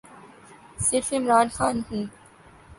صرف عمران خان ہوں۔